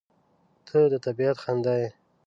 • ته د طبیعت خندا یې.